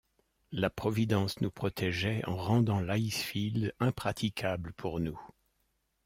La Providence nous protégeait en rendant l’icefield impraticable pour nous ».